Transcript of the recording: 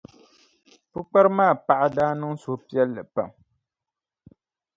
Pukpara maa paɣa daa niŋ suhupiɛlli pam.